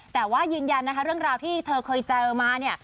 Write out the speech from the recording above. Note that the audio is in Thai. แต่ว่ายืนยันนะคะเรื่องราวที่เธอเคยเจอมาเนี่ย